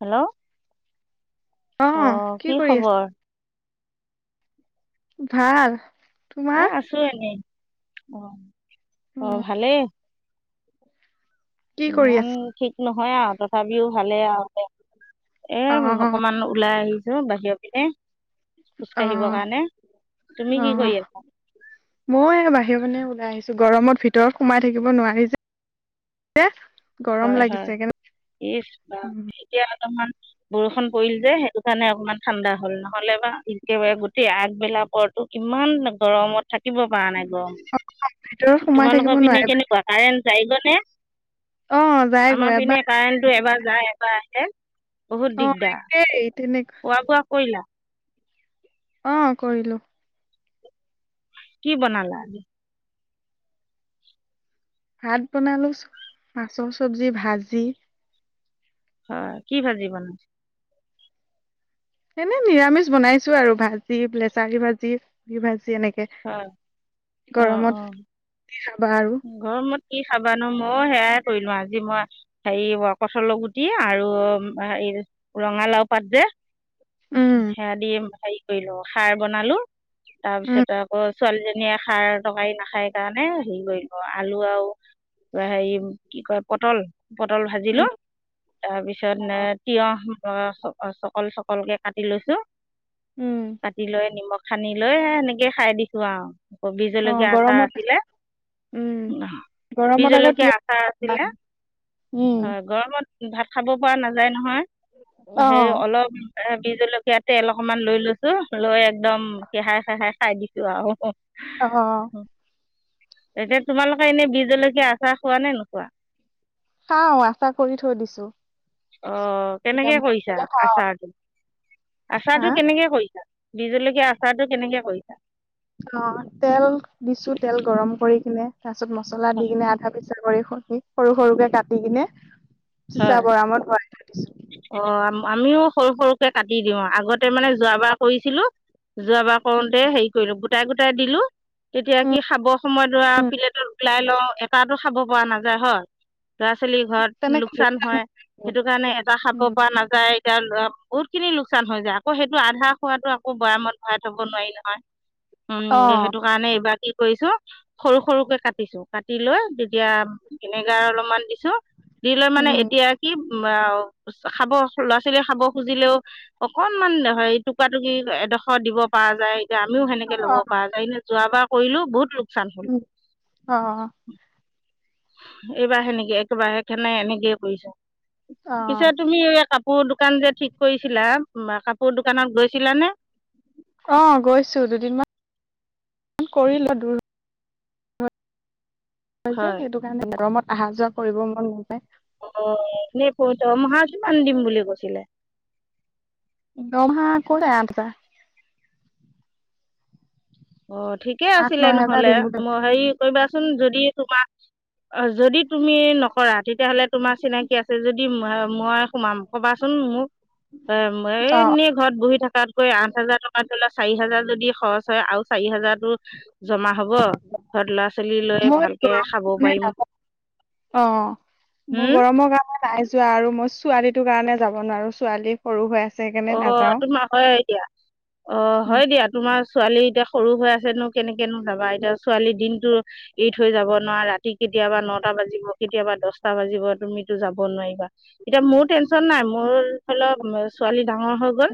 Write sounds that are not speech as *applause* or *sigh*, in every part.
Hello অ' কি খবৰ? ভাল। তোমাৰ? এ' আছো এনেই। অ-অ উম, ভালেই। কি কৰি ইমান আছা? ঠিক নহয় আৰু আগত- তথাপিও ভালেই আৰু দে, এ অ', অ', অকণমান ওলাই আহিছো বাহিৰৰ পিনে। খোজ কাঢ়িবৰ কাৰণে। তুমি কি কৰি আছা? মই বাহিৰৰ পিনে ওলাই আহিছো গৰমত ভিতৰত সোমাই থাকিব নোৱাৰি যে। *unintelligible* হয়-হয়। লাগিছে কেনে ইচ বাপ ৰি এতিয়া অলপমান- বৰষুণ পৰিল যে সেইটো কাৰণে অকণমান ঠাণ্ডা হ'ল, নহ'লে বা একেবাৰে গোটেই আগবেলা পৰতো- ইমান গৰমত- থাকিব পৰা নাই গৰমত। ভিতৰত সোমাই থাকিব তোমালোকৰ পিনে নোৱাৰে কেনেকুৱা কাৰেণ্ট যায়গৈ নে? অ', যায়গৈ আমাৰ পিনে এবাৰ কাৰেণ্টটো এবাৰ যায়, এবাৰ আহে বহুত দিগদাৰ। তেনেক খোৱা-বোৱা কৰিলা? অঁ', কৰিলো। কি বনালা আজি? ভাত বনালো, মাছৰ চব্জি, ভাজি। অহ', কি ভাজি বনাইছ? এনেই নিৰামিষ বনাইছো আৰু, ভাজি, লেচাৰী ভাজি, কবি ভাজি এনেকে। হয় অ অ গৰমত কি খাবা আৰু। গৰমত কি খাবানো মইও সেয়াই কৰিলোঁ। আজি মই- হেৰি কঠালৰ গুটি আৰু হেৰি ৰঙালাও পাত যে- উম, সেয়া দি হেৰি কৰিলো খাৰ বনালো, উম, তাৰপিছত- অ ছোৱালীজনীয়ে খাৰ তৰকাৰী নাখায় কাৰণে হেৰি কৰিলো আলু আৰু- হেৰি কি কয় পটল। পটল ভাজিলো উম, তাৰপিছত তিয়ঁহ চকল-চকলকে- কাটি লৈছো, উম, কাটি লৈ নিমখ সানি লৈ এনেকে খাই দিছো আৰু। কবি অ', জলকীয়া আচাৰ গৰমত আছিলে। উম গৰমত আকৌ বিহজলকীয়া তিয়হ আচাৰ ভাল। আছিলে। উম উমঁ, গৰমত- ভাত খাব পৰা নাযায় নহয়, হেৰি অ', অলপ- বিহ জলকীয়া তেল অকণমান লৈ লৈছো, লৈ একদম গেহাই- ঘেহাই খাই দিছো আৰু। অ। এতিয়া তোমালোকে এনেই বিহ জলকীয়া আচাৰ খোৱা নে নোখোৱা? খাওঁ আচাৰ কৰি থৈ দিছো। অ', এতিয়া কেনেকে মন কৰিছা গ'লে খাওঁ। আচাৰটো, হা আচাৰটো কেনেকে কৰিছা? বিহ জলকীয়া আচাৰটো কেনেকে কৰিছা? অঁহ', - তেল দিছো, তেল গৰম কৰি কিনে, তাৰ পিছত মছলা দি হয় কিনে আধা *unintelligible* সৰু সৰুকে কাটি কিনে হয় চিচা বৈয়ামত ভৰাই থৈ দিছোঁ। অ আমিও সৰু সৰুকে কাটি দিওঁ আগতে মানে যোৱা বাৰ কৰিছিলোঁ। যোৱ বাৰ কৰোঁতে হেৰি কৰিলো গোটাই গোটাই দিলোঁ। তেতিয়া উম, কি খাব সময়ত *unintelligible* প্লেটত ওলাই লওঁ এটাতো খাব পৰা নাযায় হয়। ল'ৰা -ছোৱালীৰ ঘৰত লোকচান হয় সেইটো কাৰণে এটা খাব উম, পাৰা নাযায় এতিয়া বহুত খিনি লোকচান হৈ যায় আকৌ সেইটো আধা খোৱাটো আকৌ বৈয়ামত ভৰাই থ'ব নোৱাৰি নহয়। *inaudible* উম সেইটো কাৰণে এইবাৰ কি কৰিছোঁ। সৰু সৰুকে কাটিছো কাটি লৈ তেতিয়া ভিনেগাৰ অলপমান দিছোঁ। দি লৈ মানে উম, এতিয়া কি অ খাব ল'ৰা ছোৱালীয়ে খাব খুজিলেও অকনমান হেৰি টুকুৰা টুকুৰি‌ এডোখৰ দিব পাৰা যায় এতিয়া আমিও সেনেকে ল'ব অ', পৰা যায় এনে যোৱ বাৰ কৰিলো বহুত লোকচান হ'ল উম, অ এইবাৰ সেনেকে একেবাৰে সেই কাৰণে এনেকেই কৰিছোঁ। পিছে অ', তুমি এই কাপোৰ দোকান যে ঠিক কৰিছিলা কাপোৰ দোকানত গৈছিলানে? অ গৈছো দুদিনমান কৰিলোঁ *unintelligible* কয় যে হয় সেইটো কাৰণে গৰমত অহা যোৱা কৰিব মন নযায়। অ নে প দৰমহা কিমান দিম বুলি কৈছিলে? দৰমহা ক'লে আঠহাজাৰ। অ ঠিকে আঠ আছিলে ন হেজাৰ নহ'লে দিম বুলি মই হেৰি কৰিবাচোন যদি তোমাক অ যদি তুমি নকৰা তেতিয়াহ'লে তোমাৰ চিনাকি আছে যদি মইয়ে সোমাম কবাচোন মোক এ এই অ', নি ঘৰত বহি থকাতকৈ আঠ হাজাৰ টকাত ধৰি ল চাৰি হাজাৰ যদি খৰচ হয় আৰু চাৰি হাজাৰতো জমা হ'ব ঘৰত ল'ৰা ছোৱালী লৈ মই ভালকে গৰম খাব কাৰণে পাৰিম। নাযাওঁ অ মোৰ হুম গৰমৰ কাৰণে নাই যো যোৱা আৰু মই ছোৱালীটো কাৰণে যাব নোৱাৰোঁ। ছোৱালী সৰু হৈ আছে। অ নাযাওঁ। তোমাৰ হয় দিয়া অ হয় দিয়া তোমাৰ ছোৱালী এতিয়া সৰু হৈ আছেনো কেনেকেনো যাবা এতিয়া ছোৱালীৰ দিনটো এ থৈ যাব নোৱাৰা ৰাতি কেতিয়াবা নটা বাজিব কেতিয়াবা দহ টা বাজিব তুমি টো যাব নোৱাৰিবা এতিয়া মোৰ টেনচন নাই মোৰ ধৰি ল ডাঙৰ হৈ গ'ল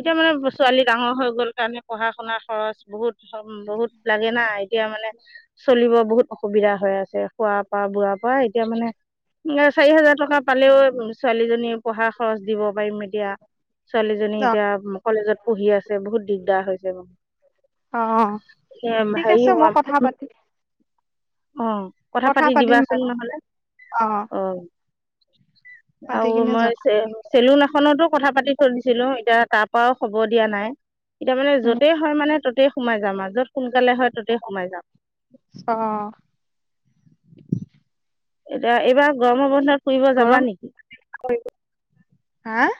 এতিয়া মানে ছোৱালী ডাঙৰ হৈ গল কাৰণে পঢ়া শুনাৰ খৰচ বহুত বহুত লাগে না এতিয়া মানে চলিব বহুত অসুবিধা হৈ আছে খোৱা পৰা বোৱাৰ পৰা এতিয়া মানে চাৰি হাজাৰ টকা পালেও ছোৱালীজনী পঢ়া খৰচ দিব পাৰিম এতিয়া। ছোৱালীজনী অ', এতিয়া কলেজত পঢ়ি আছে বহুত দিগদাৰ হৈছে মোৰ অ', এ ঠিক হেৰি আছে মই কম কথা পাতি অ কথা পাতি পাতিম দিবাচোন বাৰু নহ'লে অ পাতি আৰু কিনে মই জনাম। চে চেলুন এখনতো কথা পাতি থৈ দিছিলো এতিয়া তাৰ পৰাও খবৰ দিয়া নাই এতিয়া মানে উম য'তেই হয় মানে ত'তেই সোমাই যাম যত সোনকালে হয় ততেই সোমাই যাম। অঁ এতিয়া এইবাৰ গৰমৰ বন্ধত ফুৰিব যাবা গৰম নেকি হা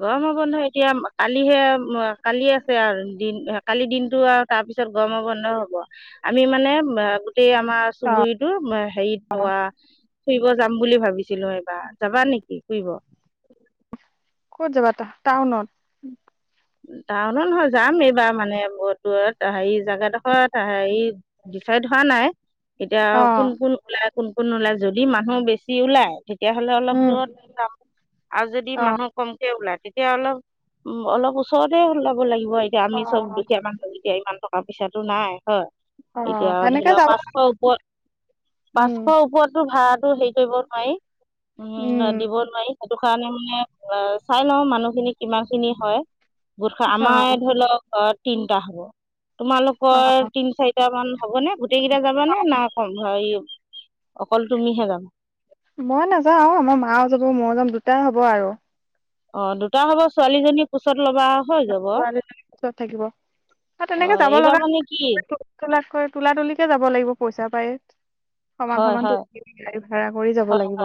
গৰমৰ বন্ধ এতিয়া কালিহে কালি আছে আৰু দিন কালি দিনটো আৰু তাৰপিছত গৰমৰ বন্ধ হ'ব, আমি মানে গোটেই আমাৰ অ', চুবুুৰিটো হেৰিত ওৱা ফুৰিব যাম বুলি ভাবিছিলোঁ এইবাৰ। যাবা নেকি ফুৰিব? ক'ত যাবা টা-টাউনত? টাউনত নহয়, যাম এইবাৰ মানে বহুত দুৰত হেৰি জাগাডোখৰ হেৰি ডিচাইড হোৱা নাই, এতিয়া কোন অ'। কোন ওলাই। কোন কোন ওলায়, যদি মানুহ বেছি ওলায় তেতিয়াহ'লে অলপ উম দূৰত যাম আৰু যদি অ', মানুহ কমকে ওলায় তেতিয়া অলপ উ, অলপ ওচ ওচৰতে ওলাব লাগিব, এতিয়া আমি চব অ', দুখীয়া মানুহ যেতিয়া ইমান টকা পইচাটো নাই। হয়। অ', এতিয়া ধৰি সেনেকে ল' যাব পাঁচশ ওপৰত, উম, পাঁচশৰ ওপৰত টো ভাড়াটো হেৰি কৰিব নোৱাৰি, উম, দিব নোৱাৰি। সেইটো কাৰণে মানে অ' চাই লও মানুহখিনি কিমানখিনি হয়। গোট খাই আমাৰে অ', ধৰি ল ঘৰত তিনটা হ'ব, তোমালোকৰ অ', তিন চাৰি টামান হ'ব নে গোটেই কেইটা যাবানে না অকল তুমিহে যাবা? মই নাযাওঁ, আমাৰ মাও যাব, মই যাম দুটাই হ'ব আৰু। অ' দুটা হ'ব, ছোৱালীজনী কোচত ল'বা। হৈ যাব ছোৱালীজনী কোচত থাকিব আৰু তেনেকে অঁ যাব এইবাৰ লগা মানে কি *unintelligible* লাতকৈ তোলা তুলিকে যাব লাগিব পইচা পায়। সমান হয় সমানটো হয় *unintelligible* গাড়ী ভাড়া কৰি যাব হয় লাগিব।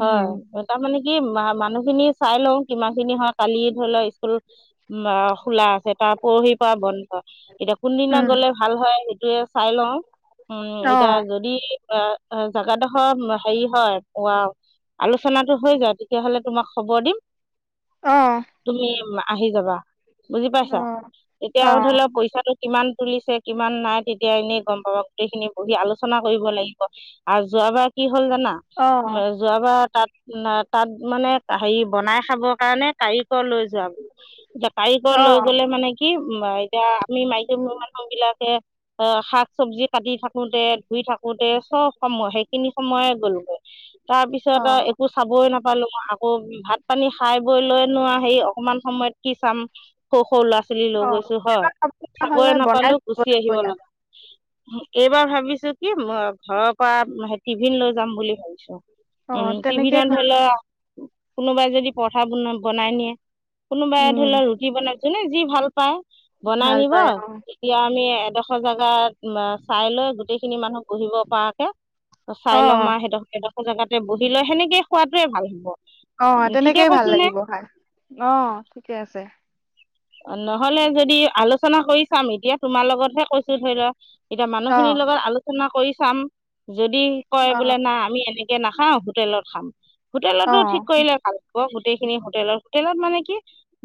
হয় উম। হয় তাৰমানে কি মা-মানুহখিনি চাই লওঁ কিমানখিনি হয়, কালি ধৰি ল স্কুল উ, খোলা আছে। তাৰ পৰহিৰ পৰা বন্ধ, এতিয়া কোনদিনা উম গ'লে ভাল হয় সেইটোয়ে চাই লওঁ। উম, অ এতিয়া যদি এ, এ, জাগাডোখৰ হেৰি হয় উৱা আলোচনাটো হৈ যওঁ তেতিয়াহ'লে তোমাক খবৰ দিম। অ তুমি আহি যাবা। বুজি অ পাইছা? এতিয়া অ আৰু ধৰি লও পইচাটো কিমান তুলিছে, কিমান নাই তেতিয়া এনেই গম পাবা, গোটেইখিনি বহি আলোচনা কৰিব লাগিব। আৰু যোৱাবাৰ কি হ'ল জানা অ যোৱাবাৰ তাত তাত মানে হেৰি বনাই খাবৰ কাৰণে কাৰিকৰ লৈ *unintelligible* এতিয়া কাৰিকৰ অ লৈ গ'লে মানে কি এতিয়া আমি মাইকি মানুহবিলাকে আ, শাক চব্জি কাটি থাকোতে, ধুই থাকো কোতে চব সময় সেইখিনি সময়ে গলোগে অ তাৰপিছত আৰু একো চাবই নাপালোঁ আকৌ ভাত পানী খাই বৈ লৈনোৱা হে অকমান সময়ত কি চাম। সৰু সৰু ল'ৰা ছোৱালী লৈ অ গৈছোঁ হয়। এবাৰ খাব লগা চাকৰি হলে বনাই নাপালেও লব গুচি লাগিব আহিব ইয়াত লগা এইবাৰ ভাবিছোঁ কি ঘৰৰ পৰা টিভিন লৈ যাম বুলি ভাবিছোঁ। অ উম, তেনেকেই টিভিনত ভাল ধৰি লোৱা কোনোবাই যদি পৰঠা বন বনাই নিয়ে। কোনোবাই উম ধৰি লোৱা ৰুটি বনাই, জুনে যি ভাল পায় বনাই ভাল নিব পাই অ এতিয়া আমি এডোখৰ জোগাত আ, চাই লৈ গোটেই খিনি মানুহ বহিব পৰাকে, চাই ল'ম অ আৰু *unintelligible* জেগাতে বহি লৈ, সেনেকে খোৱাটোৱে ভাল হ'ব। অ' ঠিকে তেনেকেই ভাল কৈছো নে লাগিব খাই। অ' ঠিকে আছে। নহ'লে যদি আলোচনা কৰি চাম, এতিয়া তোমাৰ লগতহে কৈচয় ধৰি লোৱা। এতিয়া অ মানুহখিনিৰ লগত আলোচনা কৰি চাম যদি কয় অ বোলে না আমি এনে কে নাখাওঁ হোটেলত খাম, অ হোটেলতো ঠিক কৰিলে ভাল। অ গোটেই খিনি হোটেলৰ হোটেলত মানে কি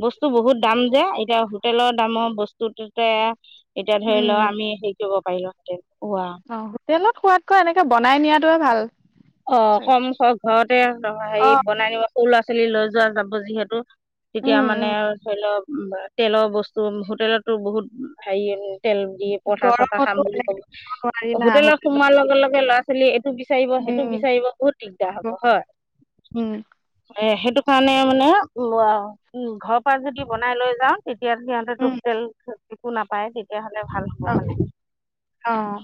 বস্তু বহুত দাম যে এতিয়া হোটেলৰ দামৰ বস্তুটোতে এতিয়া ধৰি উম লও আমি হেৰি কৰিব পাৰিলো হেঁতেন। অ হোটেলত খোৱাতকৈ এনেকে বনাই নিয়াতোয়ে ভাল। অ চাগে কম ক ঘৰতে হেৰি অ বনাই নিব সৰু ল'ৰা ছোৱালী লৈ যোৱা যাব যিহেতু। তেতিয়া উম, মানে উম, ধৰি লওক তেলৰ বস্তু হোটেলতো বহুত হেৰি তেল পৰঠা চৰঠা খাম গৰমতো বুলি এনেকে কব থাকিব নোৱাৰি না হোটেলত সোমোৱাৰ লগে লগে ল'ৰা ছোৱালী এইটো বিচাৰিব সেই সেইটো উম, বিচাৰিব বহুত দিগদাৰ থাকিব হ'ব হয়। উম, এ সেইটো কাৰণে মানে উ উম ঘৰৰ পৰা যদি বনাই লৈ যাওঁ। তেতিয়াৰ সিহঁতে উম, হোটেল একো নাপায় তেতিয়াহলে ভাল হ'ব অ', মানে। অ',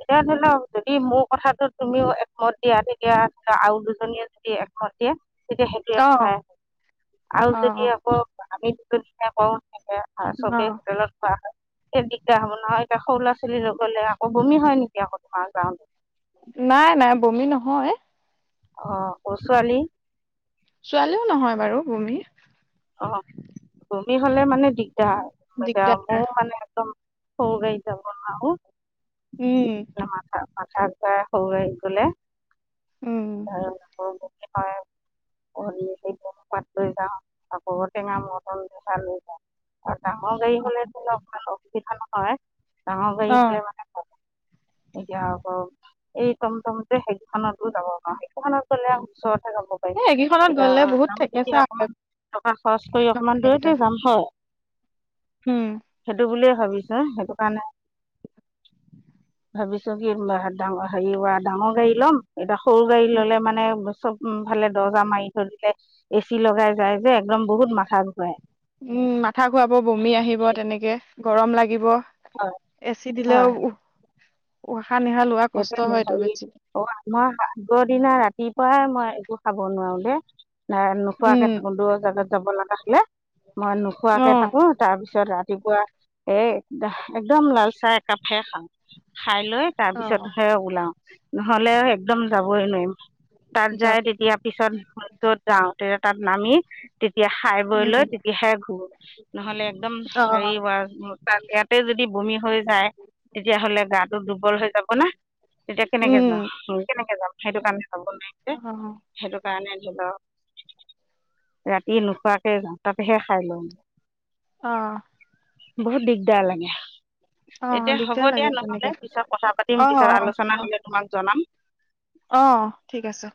এতিয়া ধৰি লওক যদি মোৰ কথাটো তুমিও একমত দিয়া তেতিয়া আৰু দুজনীয়ে যদি একমত দিয়ে তেতিয়া সেইটোয়ে অ', কথাই আৰু যদি অ', আকৌ আমি দুজনিয়ে কওঁ *unintelligible* চবেই অ', হোটেলত খোৱা হয় এ দিগদাৰ হ'ব নহয় এতিয়া সৰু ল'ৰা ছোৱালী লৈ গ'লে আকৌ বমি হয় নেকি আকৌ তোমাৰ যাওঁ নাই নাই বমি নহয়। অ আকৌ ছোৱালী। ছোৱালীও নহয় বাৰু বমি। অ বমি হলে মানে দিগদাৰ এতিয়া দিগদাৰ মইও মানে একদম সৰু গাড়ীত যাব নোৱাৰো উম, মাথা মাথা ঘূৰাই সৰু গাড়ীত গলে উম, *unintelligible* আকৌ ঔটেঙা মটন মখা লৈ যায় আৰু ডাঙৰ গাড়ী হলে ধৰি লওক সেইখন হয় ডাঙৰ গাড়ী হলে মানে *inaudible* এতিয়া আকৌ এই টম টম যে সেইখনতো যাব পাৰো সেইখনত গলে ওচৰতহে যাব পাৰিম এ একেইখনত এতিয়া গ'লে বহুত যাম যেতিয়া থেকেছা অকমান টকা খৰচ কৰি অকমান দূৰৈতে যাম হয় উম সেইটো বুলিয়ে ভাবিছে সেইটো কাৰণে ভাবিছো কি ডাঙৰ হেৰি ডাঙৰ গাড়ী লম এতিয়া সৰু গাড়ী উম, ললে মানে চব মোফালে দৰ্জা মাৰি থৈ দিলে এচি লগাই যায় যে একদম বহুত মাথা ঘূৰাই উম মাথা ঘূৰাব বমি আহিব তেনেকে গৰম লাগিব এচি দিলেও হয় উ উশাহ নিশা লোৱা সেইটো কষ্ট নি- হয়টো হেৰি বেছি অ' মই আগৰ দিনা ৰাতিপুৱাই মই একো খাব নোৱাৰো দেই নাই নোখোৱাকে উম, থাকো দূৰৰ জেগাত যাব লগা হলে মই নোখোৱাকে অ', থাকো তাৰপিছত ৰাতিপুৱা এ একদম লাল চাহ একাপহে খাওঁ খাই লৈ তাক অ', পিছতহে উলাও নহলে একদম যাবই নোৱাৰিম তাত যাম যায় তেতিয়া পিছত যত যাওঁ তেতিয়া তাত নামি তেতিয়া খাই বৈ উম। লৈ তেতিয়াহে ঘূৰো নহলে একদম হেৰি অ', হোৱাৰ তাত ইয়াতে যদি বমি হৈ যায় তেতিয়াহলে গাটো দুৰ্বল হৈ যাব হবনা, তেতিয়া কেনেকে উম, যাম কেনেকে যাম সেইটো কাৰণে চাব নোৱাৰে। অঁ হ হ। সেইটো কাৰণে ধইল। ৰাতি নোখোৱাকে যাওঁ, তাতেহে খাই লওঁ। অঁ' বহুত দিগদাৰ লাগে। অ', এতিয়া দিগদাৰ হ'ব লাগে দিয়া তেনেকে নহলে পিছত কথা পাত- তিম অ', পিছত, অ', আলোচনা হলে তোমাক জনাম। অঁ' ঠিক আছে।